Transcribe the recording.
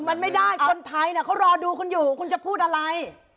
มันไม่ได้คนไทยเขารอดูคุณอยู่คุณจะพูดอะไร